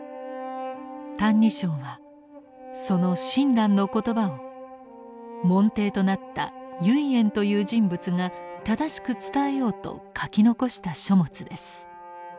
「歎異抄」はその親鸞の言葉を門弟となった唯円という人物が正しく伝えようと書き残した書物です。